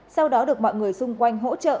sau đó được mọi người xung quanh hỗ trợ